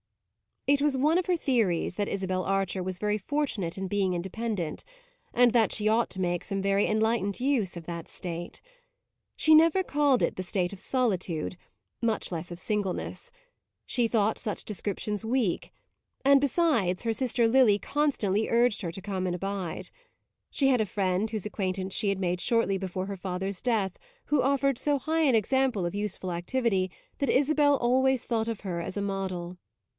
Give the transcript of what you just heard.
It was one of her theories that Isabel Archer was very fortunate in being independent, and that she ought to make some very enlightened use of that state. She never called it the state of solitude, much less of singleness; she thought such descriptions weak, and, besides, her sister Lily constantly urged her to come and abide. She had a friend whose acquaintance she had made shortly before her father's death, who offered so high an example of useful activity that Isabel always thought of her as a model.